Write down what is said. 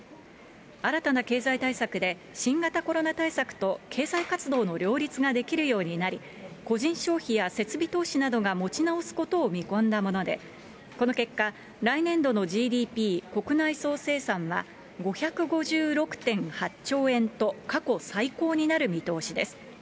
新たな経済対策で、新型コロナ対策と経済活動の両立ができるようになり、個人消費や設備投資などが持ち直すことを見込んだもので、この結果、来年度のＧＤＰ・国内総生産は５５６．８兆円と、過去最高になる見通しです。